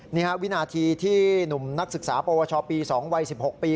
นี่ฮะวินาทีที่หนุ่มนักศึกษาปวชปี๒วัย๑๖ปี